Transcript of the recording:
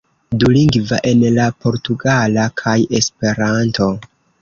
Dulingva, en la portugala kaj Esperanto.